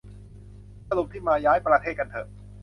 สรุปที่มา ย้ายประเทศกันเถอะ